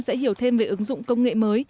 sẽ hiểu thêm về ứng dụng công nghệ mới